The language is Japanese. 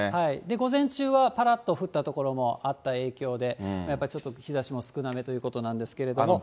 午前中はぱらっと降った所もあった影響で、やっぱりちょっと日ざしも少なめということなんですけれども。